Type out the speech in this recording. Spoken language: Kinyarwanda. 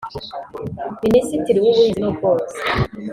Ministiri w’ubuhinzi n’ubworozi